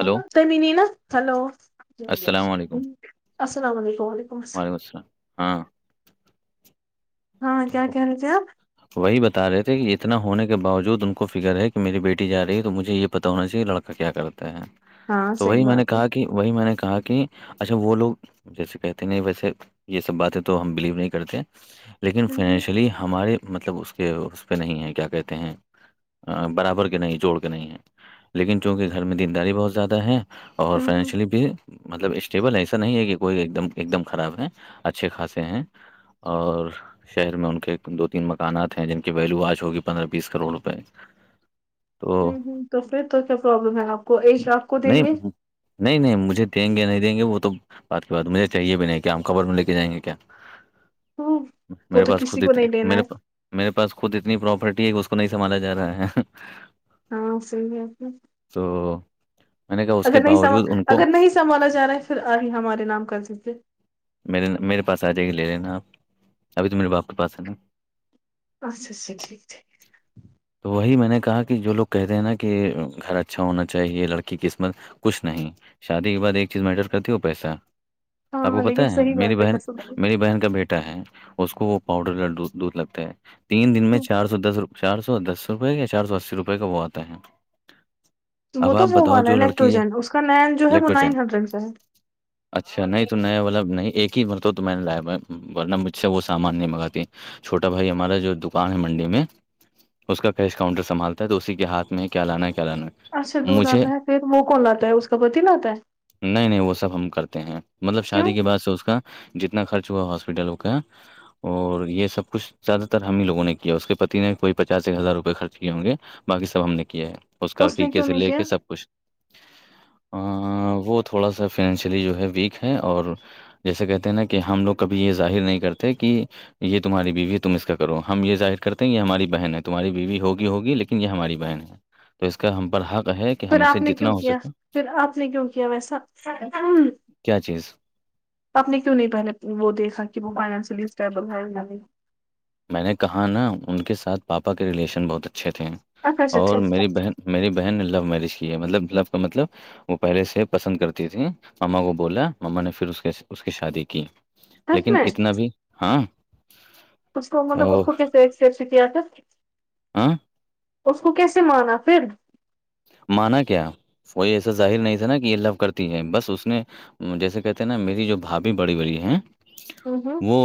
Hello hello السلام علیکم السلام علیکم وعلیکم السلام ہاں ہاں کیا کہہ رہے تھے آپ وہی بتا رہے تھے کہ اتنا ہونے کے باوجود ان کو فکر ہے کہ میری بیٹی جا رہی ہے تو مجھے یہ پتا ہونا چاہیے لڑکا کیا کرتے ہیں ہاں تو صحیح وہی میں نے بات ہے کہا کہ وہی میں نے کہا کہ اچھا وہ لوگ جیسے کہتے نہیں ویسے یہ سب باتیں تو ہم بلیو نہیں کرتے لیکن ہوں ہوں فنینشلی ہمارے مطلب اس کے اس پہ نہیں ہیں کیا کہتے ہیں برابر کے نہیں جوڑ کے نہیں ہے لیکن چونکہ گھر میں دینداری بہت زیادہ ہے اور ہوں ہوں فائنینشلی بھی مطلب اسٹیبل ایسا نہیں ہے کہ کوئی ایک دم ایک دم خراب ہے اچھے خاصے ہیں اور شہر میں ان کے دو تین مک مکانات ہیں جن کی ویلو آج ہوگی پندرہ بیس کروڑ روپئے تو ہوں ہوں تو پھر تو کیا پرابلم ہے آپ کو ایک آپ کو دیں نہیں گے نہیں نہیں مجھے دیں گے نہیں دیں گے وہ تو بعد کی بات مجھے چاہیے بھی نہیں کیا ہم قبر میں لے کے جائیں گے کیا ہوں وہ میرے تو پاس کسی خود کو اتنے نہیں دینا میرے پا ہے میرے پاس خود اتنی پراپرٹی ہے کہ اس کو نہیں سنبھالا جا رہا ہے ہاں صحیح ہے تو میں نے کہا اس کے اگر نہیں سم باوجود ان کو اگر نہیں سنبھالا جا رہا ہے پھر آدھی ہمارے نام کردیتے میرے میرے پاس آ جائی گے لے لینا آپ ابھی تو میرے باپ کے پاس ہے نا اچھ اچھا ٹھیک ٹھیک [inaudible] تو وہی میں نے کہا کہ جو لوگ کہتے ہیں نا کہ گھر اچھا ہونا چاہیے لڑکی قسمت کچھ نہیں شادی کے بعد ایک چیز میٹر کرتی ہے وہ پیسہ ہاں لیکن ہیں صحیح میری بات ہے بہن کسم سے میری بہن کا بیٹا ہے اس کو وہ پاؤڈر دودھ لگتا ہے تین دن میں چار سو دس روپئے چار سو دس روپئے کایا چار سو اسی روپئے کا وہ آتا ہے وہ اب تو آپ موب بتاؤ والا ہے جو لڑکی الیکٹروجن اس کا نین جو ہے وہ الیکٹروچن نائن ہنڈریڈ کا ہے اچھا نہیں تو نیا والا نہیں ایک ہی مرتبہ تو میں نے لایا ورنہ مجھ سے وہ سامان نہیں منگاتی چھوٹا بھائی ہمارا جو دکان ہے منڈی میں اس کا کیش کاؤنٹر سنھالتا ہے تو اسی کے ہاتھ میں کیا لانا ہے کیا لانا ہے اچھا دودھ مجھے آتا ہے پھر وہ کون لاتتا ہے اس کا پتی لاتا ہے نہیں نہیں وہ سب ہم کرتے ہیں مطلب کیوں شادی کے بعد اس کا جتنا خرچ ہوا ہاسپٹل کا اور یہ سب کچھ زیادہ تر ہم ہی لوگوں نے کیا اس کے پتی نے کوئی پچاس ایک ہزار روپئے خرچ کیے ہوں گے باقی سب ہم نے کیا ہے اس کا نے عقیقے کیوں سے نہیں لے کیا کے سب کچھ وہ تھوڑا سا فنینشلی جو ہے ویک ہے اور جیسے کہتے ہیں نا کہ ہم لوگ کبھی یہ ظاہر نہیں کرتے کہ یہ تمہاری بیوی ہے تم اس کا کرو ہم یہ ظاہر کرتے ہیں یہ ہماری بہن ہے تمہاری بیوی ہوگی ہوگی لیکن یہ ہماری بہن ہے تو اس کا ہم پر حق ہے کہ پھر ہم سے آپ نے جتنا کیوں ہو کیا سکے پھر آپ نے کیوں کیا ویسا کیا چیز آپ نے کیوں نہیں پہنے وہ دیکھا کہ وہ فائنشلی اسٹیبل ہے یا نہیں میں نے کہا نا ان کے ساتھ پاپا کے ریلیشن بہت اچھے تھے اچھا اچھا اور ٹھیک ہے، میری بہن میری بہن نے لو میرج کی ہے مطلب لو کا مطلب وہ پہلے سے پسند کرتی تھی مما کو بولا ماما نے پھر اس کے اس کی شادی کی سچ لیکن میں اتنا بھی ہاں اس کو مطلب اس او کو کیسے کیا تھا آاں اس کو کیسے مانا پھر مانا کیا وہ ایسا ظاہر نہیں تھا نا کہ یہ لب کرتی ہے بس اس نے جیسے کہتے ہیں نا میری جو بھاابھی بڑی بڑی ہے ہوں ہوں وہ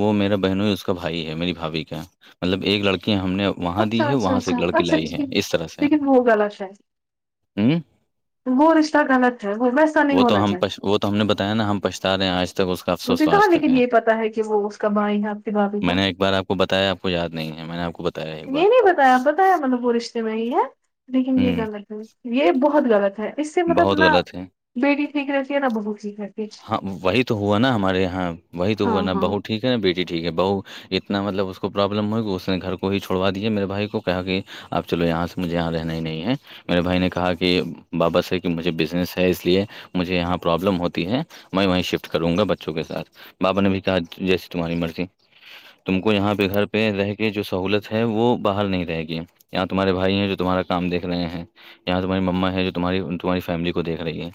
وہ میرا بہنوں ہی اس کا بھائی ہے میری بھابھی کا مطلب ایک لڑکی ہم نے وہاں اچھا دی ہے وہاں سے ایک لڑکی لائی ہے اس طرح سے ہوگا شاید ہوں غلط ہے وہ ویسا نہیں وہ تو ہونا ہم چاہیے وہ تو ہم نے بتایا نا ہم پچھتا رہے ہیں ایس تک اس کا افسوس مجھے تو آج کہاں تک لیکن ہے یہ پتا کہ وہ اس کا بھائی ہے آپ کی بھابھی میں کا نے ایک بار آپ کو بتایا کوھ یاد نہیں ہے میں نے آپ کو بتایا ہے ایک بار یہ نہیں پتا ہے مطلب وہ رشتے میں ہی ہے لیکن یہ ہوں غلط ہے یہ بہت غط ہے اس سے مطلب بہت نہ غلط ہے بیٹی ٹھیک رہتی ہے نہ بہت ہاں وہی تو ہوا نا ہمارے یہاں وہی تو ہوا ہاں نا ہاں بہو ٹھیک ہے نا بیٹی ٹھیک ہے بہ اتنا مطلب اس کو پرابلم ہوئے کہی اس نے گھر کو ہی چھوڑوا دیا میرے بھائی کو کہا کہ اب چلو یہاں سے مجھے یہاں رہنا ہی نہیں ہے میرے بھائی نے کہا کہ بابا سے کہ مجھے بزنس ہے اس لیئے مجھے یہاں پرابلم ہوتی ہے میں وہیں شفٹ کروں گا بچوں کے ساتھ بابا نے بھی کہا جیسی تمہاری مرضی تم کو یہاں پہ گھر پہ رہ کے جو سہولت ہے وہ باہر نہیں رہے گی اں تمہارےھائی ہیں جو تمہار کام دیکھے ہیں یہاں تمہاری مما ہے جو تاری تمہاری فیلی کویکھی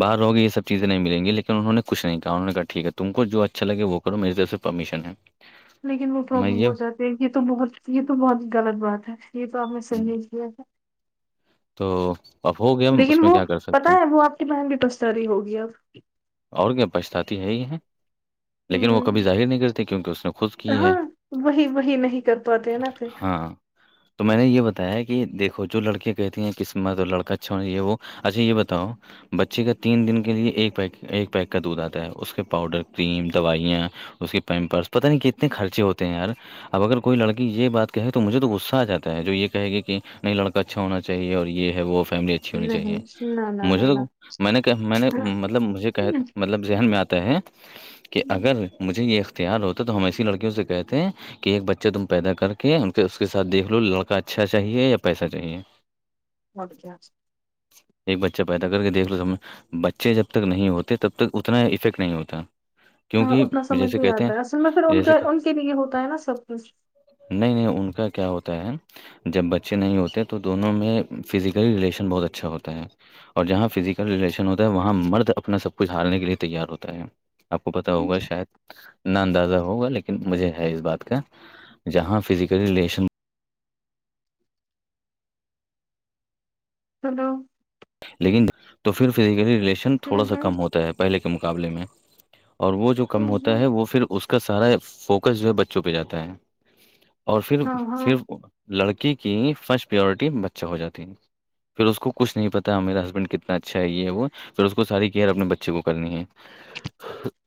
بروگ یہ سب چیز نہیں ملیں گی لیکن انہوں کچھ نہیں کہ انہوں نے کہ ٹھیک ہے تم کو جو اچھا لگے وہ کرو میری طرف سے پرمیشن ہے لیکن وہ میں پرابلم یہ ہو جاتے ہیں یہ تو بہت یہ تو بہت ہی غلط بات ہے یہ تو آپ نے سح نہیں کیا تھا تو اب ہو گیا ہم اس میں کیا کر سکتے ہیں یہ مہم بھی توس ساری ہوگی ہے اور کیا پچھتاتی ہے ہی ہے لیکن وہ ہ کبھی ظاہر نہیں کرتے کیونکہ اس نے خود کی ہاں ہے وہی وہی نہیں کر پاتے ہیں نا پھر ہاں تو میں نے یہ بتایا ہے کہ دیکھو جو لڑکیا کہتی ہیں قسمت لڑکا اچھا چ ہے وہ اچھا یہ بتاؤ بچے کا تین دن کے لیے ایک پیک ایک پیک کا دودھ آتا ہے اس کے پاؤڈر کریم دوائیاں اس کے م پرس پتا نہیں کتنے خرچے ہوتے ہیں یار اب اگر کوئی لڑکی یہ بات کہے تو مجھے تو غصہ آ جا ہے جو یہ کہے گی کہ نہیں لڑکا اچھا ہونا چاہے اور یہ ہے وہ فیملی اچ ہونی چاہیے نہیں نہ نہ مجھے نہ تو میں نے میں نے نہ مطلب مجھے کہ مطلب ذہن میں آتا ہے کہ اگر مجھے یہ اختیار ہوتا ہے تو ہم ایسی لڑکیوں سے کہتے ہیں کہ ایک بچہ تم پیدا کر کے اس کے ساتھ دیکھ لو لڑکا اچھا چاہیے یا پیسہ چاہیے [inaudible] ہوگ کیا [unintelligible] ایک بچہ پیدا کر کے دیکھ لو تم بچے جب تک نہیں ہوتے تب تک اتنا افیکٹ نہیں ہوتا ہاں کیونکہ اتنا سمجھ جیسے نہیں کہتے ہیں آتا ہے اصل میں پھر ان جیسے کا ان کے لیے ہوتا ہے نا سب کچھ نہیں نہیں ان کا کیا ہوتا ہے جب بچے نہیں ہوتے تو دونوں میں فزیکل ریلیشن بہت اچھا ہوتا ہے اور جہاں فزیکل رلیشن ہوتا ہے وہاں مرد اپنا سب کچھالنے کے لیے تیار ہوتا ہے آپ کو پت ہوگا شاید نہ اندازہ ہوگا لیکن مجھے ہے اس بات کا جہاں فزیکل ریلیشن ہلو لیکن تو پھر فزیکلی ریلیشن ہوں تھوڑا سا ہوں کم ہوتا ہے پہلے کے مقابلے میں اور وہ جو کم ہوں ہوتا ہے ہوں، وہ پھر اس کو کا سارا فوکس جو ہے بچوں پہ جاتا ہے اور پھر ہاں ہاں پھر لڑکی کی فرسٹ پیورٹی بچہ ہو جاتی ہے پھر اس کو کچھ نہیں پتا میرا ہسبینڈ کتنا اچھا ہے یہ وہ پھر اس کو ساری کیئر اپنے بچے کو کرنی ہے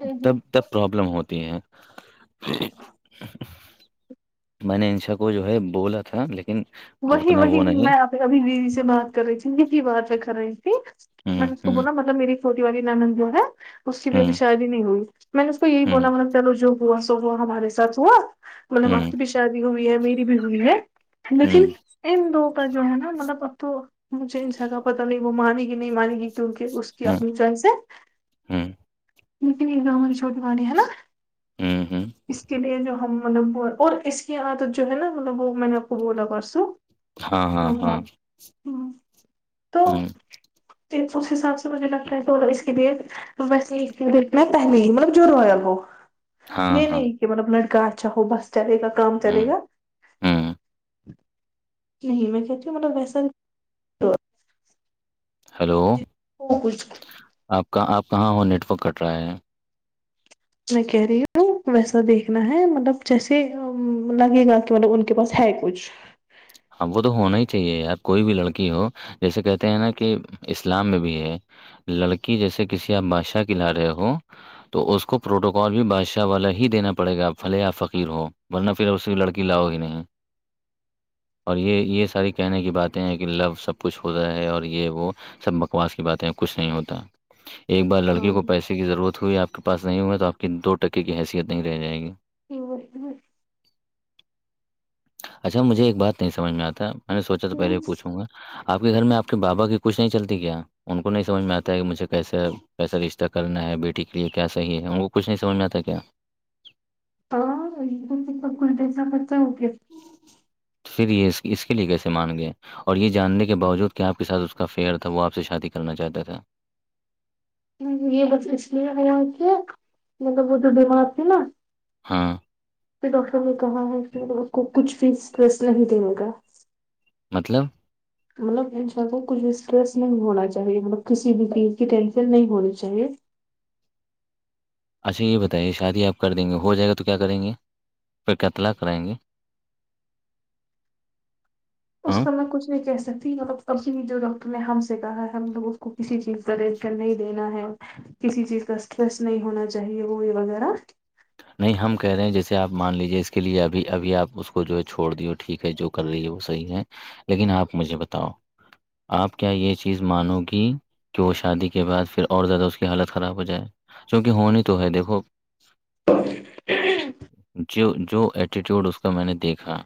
ہوں تب ہوں۔ تب پرابلم ہوتی ہیں میں نے انسا کو جو ہے بولا تھا لیکن وہی اتنا وہی وہ نہیں میں آپ ابھی دیدی سے بات کر رہی تھی یہ بھی بات ر کر رہی میں ہوں نے اس کو ہوں بلا مطلب میری چھوٹی والی نانند جو ہے اس کی بھی ابھی ہوں شادی نہیں ہوئی میں نے اس کو یہی ہوں بولا ما چلو جو ہووا سو ہووا ہمارے سھ ہوا ب آپ ہوں کی بھی شادی ہوئی ہے میری بھی ہوئی ہے لیکن ہوں ا دو پ جو ہے نا مطلب پرت مجھے انس کا پتہ نہیں وہ مانے گی نہیں مانے گی کیونکہ اس کی ہوں اپنی جان سے ہوں نک گاؤں میں چھوٹی والی ہے نا ہوں، ہوں، اس کے لیے جو ہم مطلب اور اس کی عادت جو ہے نا مطلب وہ میں نے خ بلا پرسو ہاں ہ تو ہوں، اس حساب سے مجھے لگتا ہے تو اس کے لیے وسے یہ دھنا پہلے ہی مطلب جو رویا وہ ہاں، یہ ہاں، نہیں کہ مطلب لڑکا اچھا ہو بس چلے گا کام ہوں، چلے گا ہوں، نہیں میں کہتی ہوں مطلب ویسا ہلو وہ کچھ آپ کااں آپ کہاں ہو نیٹورک کٹ رہا ہے میں کہہ رہی ہوں ویسا دیکھنا ہے مطلب جیسے لگے گا کہ مطلب ان کے پاس ہے کچھ اب وہ تو ہونا ہی چاہیے یار کوئی بھی لڑکی ہو جیسے کہتے ہیں نا کہ اسلام میں بھی ہے لڑکی جیسے کسی آپ بادشاہ کی لا رہے ہو تو اس کو پروٹوکال بھی بادشاہ والا ہی دینا پڑے گا آپ پھلے یا فقیر ہو ولنہ پھر اس کی لڑکی لاؤ گی نہیں اور یہ یہ ساری کہنے کی باتیں ہیں کہ لو سب کچھ ہوتا ہے اور یہ وہ سب بکواس کی باتیں کچھ نہیں ہوتا ایک بار ہاں لڑکی کو پیسے کی ضرورت ہوئی آپ کے پاس نہیں ہوئےا تو آپ کی دو ٹکے کی حیثیت نہیں رہ جائے گی ہ [unintelligible] اچھا مجھے ایک بات نہیں سمجھ میں آتا میں نے سوچا تو پہلے ہی پوچھوں گا آپ کے گھر میں آپ کے بابا کی کچھ نہیں چلتی کیا ان کو نہیں سمجھ میں آتا ہے کہ مجھے کیسے کیسا رشتہ کرنا ہے بیٹی کے لیے کیا صحیح ہے ان کو کچھ نہیں سمجھ میں آتا ہے کیا تو کنتے کچا پھر یہ اس کے لیے کیسے مان گئے اور یہ جاننے کے باوجود کیا آپ کے ساتھ اس کا فیئر تھا وہ آپ سے شادی کرنا چاہتا تھا یہ بس اس لیے ہے ہوتی ہے مطلب وہ تو بیمار تھی نا ہاں پھر ڈاکٹر نے کہا ہے پھر کو کچھ فیس فس نہیں دنے گا مطلب مطلب انسان کو کچھ اسٹریس نہیں ہونا چاہیے مطلب کسی بھی چیز کی ٹینشن نہیں ہونی چاہیے اچھا یہ بتائیے شادی آپ کر دیں گے ہو جائے گا تو کیا کریں گے پھر کیا اطلاع کرائیں گے [inaudible] اس ہاں کا میں کچ نہیں کہہ سکتی مطلب توی جو ڈاکٹر نے ہم سے کہا ہے ہم لوگ اس کو کسی چیز کا رشن نہیں دینا ہے کسی چیز کا اسٹریس نہیں ہونا چاہیے وہ یہ وغیرہ نہیں ہم کہہ رہے ہیں جیسے آپ مان لیجیے اس کے لیے ابھی ابھی آپ اس کو جو ہے چھوڑ دییو ٹھیک ہے جو کر رہی ہے وہ صحیح ہے لیکن آپ مجھے بتاؤ آپ کیا یہ چیز مانو گی کہ وہ شادی کے بعد پھر اور زیادہ اس کی حالت خراب ہو جائے چونکہ ہونی تو ہے دیکھو جو جو ایٹیٹیوڈ اس کا میں نے دیکھا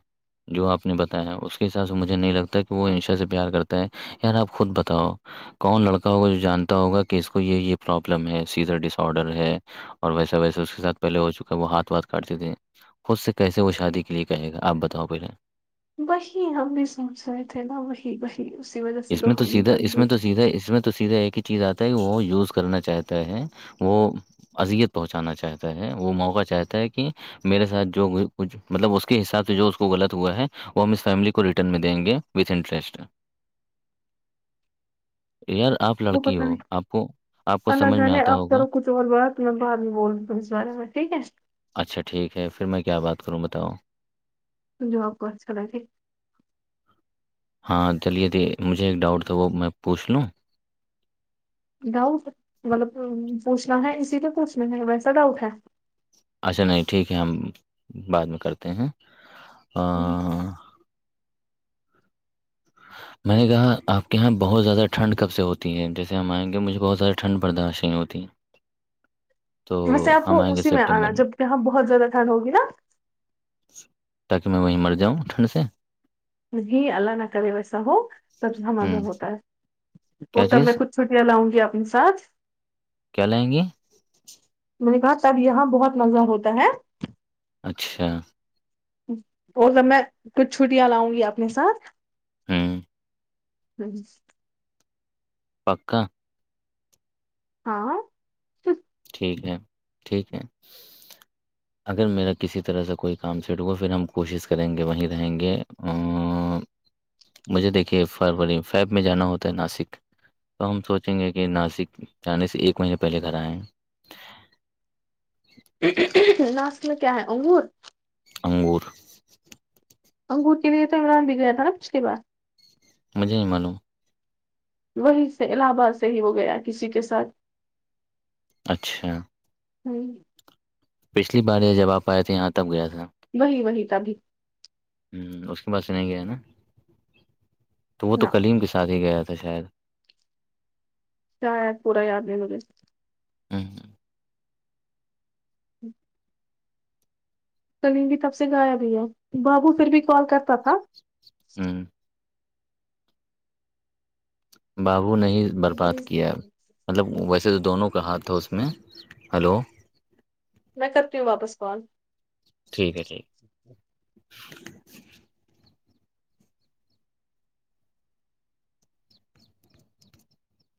جو آپ نے بتایا اس کے حساب سے مجھے نہیں لگتا کہ وہ عشا سے پیار کرتا ہے یار آپ خود بتاؤ کون لڑکا ہوگا جو جانتا ہوگا کہ اس کو یہ یہ پروابلم ہے سیدھا ڈس آڈر ہے اور ویسا ویسے اس کے ساتھ پہلے ہو چکا ہے وہ ہاتھ واتھ کاٹتے تھے خود سے کیسے وہ شادی کے لیے کہے گا آپ بتاؤ پہلے وہی ہم بھی سوچ رہے تھے نا وہی وہی اسی وجہ سے اس میں تو ہم ہی سیدھا اس کرنا میں تو اس میںت تو سیدھا ایک ہی چیز آتا ہے وہ یوز کرنا چاہتا ہے وہ اذیت پہنچانا چاہتا ہے وہ موقع چاہتا ہے کہ میرے ساتھ جو کچھ مطلب اس کے حساب سے جو اس کو غلط ہوا ہے وہ ہم اس فیملی کو ریٹرن میں دیں گے وتھ انٹرسٹ یار آپ وہ لڑکی پتہ ہو نہیں آپ کو آپ کو سمجھ میں آتا ہوگا کرو کچھ تو بہت اپ میں بر بھی بولتاوں سارے میں ٹھیک ہے اچھا ٹھیک ہے پھر میں کیا بات کروں بتاؤ جاب کوھال تھے ہاں چلیے تے مجھے ایک ڈاؤٹ تھا وہ میں پوچھ لوں ڈاؤٹ مطلب پوچھنا ہے اسی لی پوچھنا ہے ویسا ڈاؤٹ ہے اچھا نہیں ٹھیک ہے ہم بعد میں کرتے ہیں ام، میں نے کہا آپ کے یہاں بہت زیادہ ٹھڈ کب سے ہوتی ہے جیسے ہم آئیں گے مجھے بہت زیادہ ٹھنڈ برداشت نہیں ہوتییں ویسے آپ کو اسی میں آنا جب یہاں بہت زیادہ ٹھنڈ ہوگی نا تاکہ میں وہیں مر جاؤں ٹھنڈ سے ج اللہ نہ کر ویسا ہو تب ہما ہوں ہوتا ہے کیا وہ تب میں چیز کچھ چھٹیاں لاؤں گی اپنے ساتھ کیا لیں گی میں نے کہا تب یہاں بہت مزہ ہوتا ہے اچھا اور سب میں کچھ چھٹیاں لاؤں گی اپنے ساتھ ہاں ہوں پکا ہاں ٹھیک ہے ٹھیک ہے اگر میرا کسی طرح سے کوئی کام سیٹ ہوا پھر ہم کوشش کریں گے وہیں رہیں گے مجھے دیکھیے فروری فیب میں جانا ہوتا ہے ناسک تو ہم سوچیں گے کہ ناسک جانے سے ایک مہینے پہلے گھر آئیں [inaudible] ناس میں کیا ہے انگور انگور اور گوٹی دیے تو ما بگ گ تھا نا پچا مجھے ہی معلوں [unintelligible] وہی سے الہ آباد سے ہی وہ گیا کسی کے ساتھ اچھا ج [inaudible] پچھلی بار یہ جب آپ آئے تھے یہاں تب گیا تھا وہی وہی تبھی ہ اس کے پاس سے نہیں گیا ہے نا تو وہ نہ تو کلیم کے ساتھ ہی گیا تھا شاید کیا پورا یادی م [unintelligible] ہوں ہوں [inaudible] کل بھی تب سے گایا بھی ہے بابو پھر بھی کال کرتا تھا ہاں بابو نے برباد کیا مطلب ویسے تو دونوں کا ہاتھ تھا اس میں ہلو میں کر ت واپس فال [unintelligible] ٹھیک ہے ٹھیک